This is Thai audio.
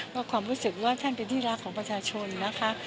ก็ความรู้สึกว่าท่านเป็นที่รักของประชาชนนะคะ